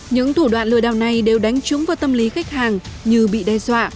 những thủ đoạn lừa đảo này đều đánh trúng vào tâm lý khách hàng như bị đe dọa